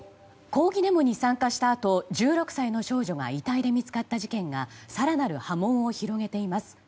抗議デモに参加したあと１６歳の少女が遺体で見つかった事件が更なる波紋を広げています。